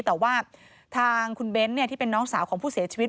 แต่ว่าทางคุณเบ้นที่เป็นน้องสาวของผู้เสียชีวิต